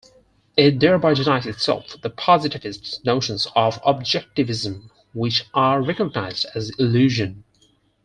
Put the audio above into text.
It thereby denies itself the positivist notions of objectivism, which are recognised as illusion.